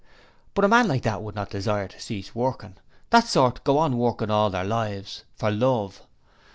But a man like that would not desire to cease working; that sort go on working all their lives, for love.